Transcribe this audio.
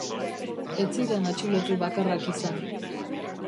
Ez ziren atxilotu bakarrak izan.